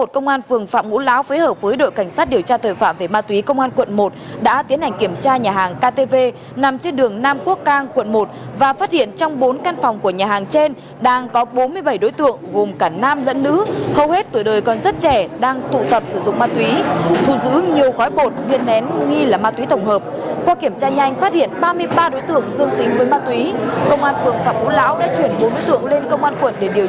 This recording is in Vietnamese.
công an phường phạm vũ lão đã chuyển bốn đối tượng lên công an quận để điều tra về hành vi tổ chức sử dụng ma túy